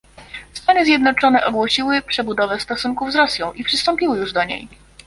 Stany Zjednoczone ogłosiły przebudowę stosunków z Rosją i przystąpiły już do niej